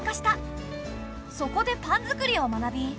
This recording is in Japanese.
そこでパン作りを学び